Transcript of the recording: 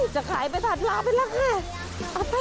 จะขายไปตลาดลาวไปแล้วค่ะ